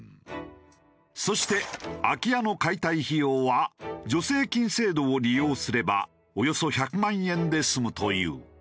そして空き家の解体費用は助成金制度を利用すればおよそ１００万円で済むという。